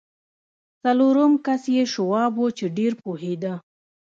څلورم کس یې شواب و چې ډېر پوهېده